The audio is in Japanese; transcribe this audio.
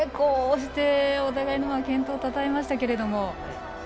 お互いの健闘をたたえましたけども。